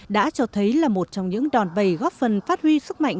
đã cho thấy là một trong những đòn bầy góp phần phát huy sức mạnh